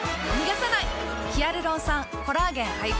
ヒアルロン酸・コラーゲン配合。